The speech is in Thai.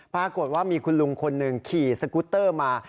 ปรากฏว่ามีคุณลุงคนหนึ่งขี่สกุตเตอร์มา